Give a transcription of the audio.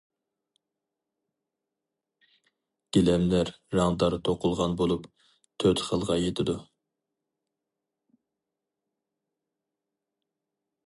گىلەملەر رەڭدار توقۇلغان بولۇپ، تۆت خىلغا يېتىدۇ.